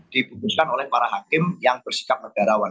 diputuskan oleh para hakim yang bersikap negarawan